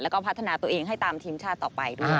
แล้วก็พัฒนาตัวเองให้ตามทีมชาติต่อไปด้วย